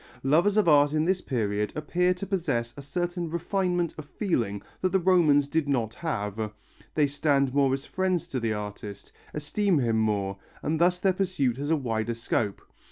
Lovers of art in this period appear to possess a certain refinement of feeling that the Romans did not have, they stand more as friends to the artist, esteem him more, and thus their pursuit has a wider scope.